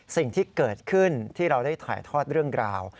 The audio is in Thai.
สิ่งที่เกิดขึ้นที่เราได้ถ่ายทอดเรื่องราว